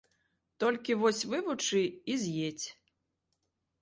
Толькі, вось, вывучы і з'едзь.